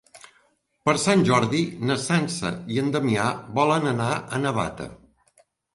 Per Sant Jordi na Sança i en Damià volen anar a Navata.